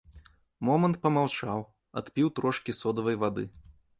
Момант памаўчаў, адпіў трошкі содавай вады.